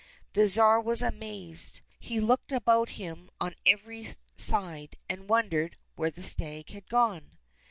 The Tsar was amazed. He looked about him on every side, and wondered where the stag had gone.